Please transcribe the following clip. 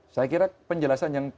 saya kira penjelasan yang